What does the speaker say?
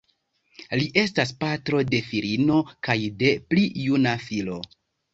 Li estas patro de filino kaj de pli juna filo.